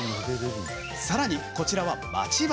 さらにこちらは、まち針。